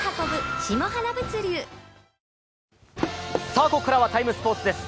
さあ、ここからは「ＴＩＭＥ，スポーツ」です。